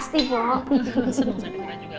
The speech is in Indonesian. seneng saya dengar juga